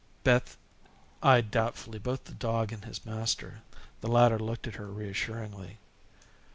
Beth eyed doubtfully both the dog and his master. The latter looked at her reassuringly.